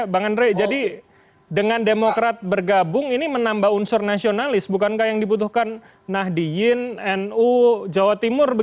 bang andre jadi dengan demokrat bergabung ini menambah unsur nasionalis bukankah yang dibutuhkan nahdiyin nu jawa timur